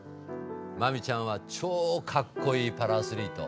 真海ちゃんは超かっこいいパラアスリート。